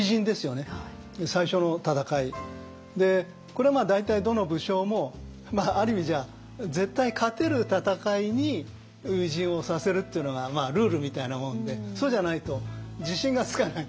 これ大体どの武将もある意味じゃ絶対勝てる戦いに初陣をさせるっていうのがルールみたいなもんでそうじゃないと自信がつかない。